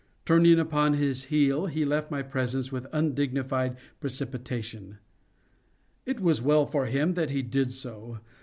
Turning upon his heel, he left my presence with undignified precipitation. It was well for him that he did so.